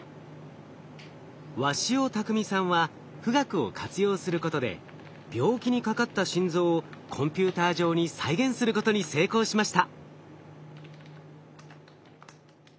鷲尾巧さんは富岳を活用することで病気にかかった心臓をコンピューター上に再現することに成功しました。